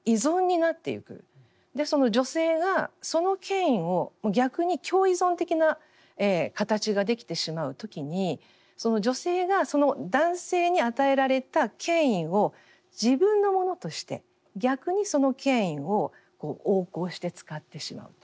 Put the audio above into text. その女性がその権威を逆に共依存的な形ができてしまう時に女性が男性に与えられた権威を自分のものとして逆にその権威を横行して使ってしまうと。